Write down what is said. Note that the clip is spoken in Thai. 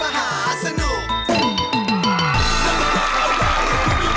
ยังแหล่ะมม่าสนุก